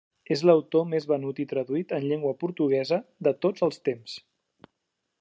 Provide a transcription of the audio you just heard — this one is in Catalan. És l'autor més venut i traduït en llengua portuguesa de tots els temps.